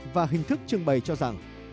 và hình thức trưng bày cho rằng